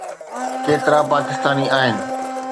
ڪيترا پاڪستاني آهن؟